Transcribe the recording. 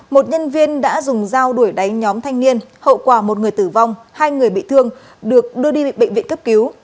một nhân viên đã dùng dao đuổi đánh nhóm thanh niên hậu quả một người tử vong hai người bị thương được đưa đi bệnh viện cấp cứu